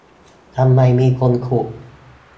ทำไมมีคนขุด